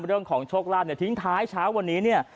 เรื่องของโชคลาภเนี่ยทิ้งท้ายเช้าวันนี้เนี่ย